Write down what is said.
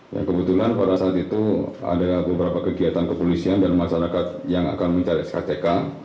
yang kebetulan pada saat itu ada beberapa kegiatan kepolisian dan masyarakat yang akan mencari skck